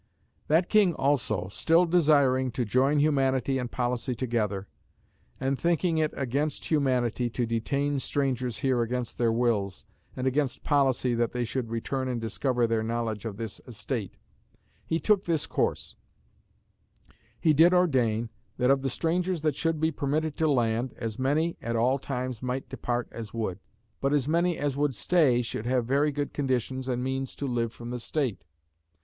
"That king also, still desiring to join humanity and policy together; and thinking it against humanity, to detain strangers here against their wills, and against policy that they should return and discover their knowledge of this estate, he took this course: he did ordain that of the strangers that should be permitted to land, as many (at all times) might depart as would; but as many as would stay should have very good conditions and means to live from the state.